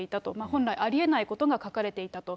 本来ありえないことが書かれていたと。